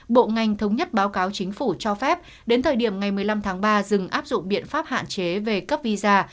bộ ngành thống nhất báo cáo chính phủ cho phép đến thời điểm ngày một mươi năm tháng ba dừng áp dụng biện pháp hạn chế về cấp visa